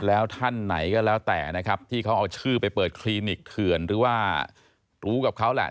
แล้วท่านไหนก็แล้วแต่นะครับที่เขาเอาชื่อไปเปิดคลินิกเถื่อนหรือว่ารู้กับเขาแหละ